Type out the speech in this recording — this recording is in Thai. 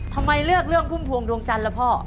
ทำไมเลือกเรื่องพุ่มพวงดวงจันทร์ล่ะพ่อ